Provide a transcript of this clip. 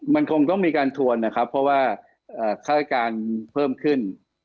มันคงต้องมีการทวนนะครับเพราะว่าค่าราชการเพิ่มขึ้น